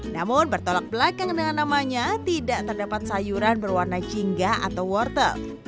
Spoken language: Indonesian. namun bertolak belakang dengan namanya tidak terdapat sayuran berwarna jingga atau wortel